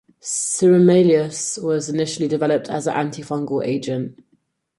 Sirolimus was initially developed as an antifungal agent.